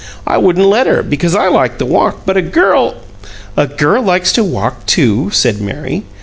I wouldn't let her, because I like the walk, but a girl " "A girl likes to walk, too," said Mary.